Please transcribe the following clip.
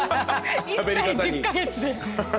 １歳１０カ月で。